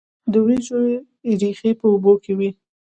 د وریجو ریښې په اوبو کې وي.